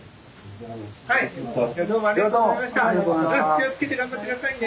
気を付けて頑張って下さいね。